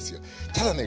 ただね